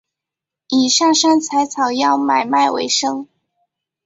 以上山采草药买卖为生。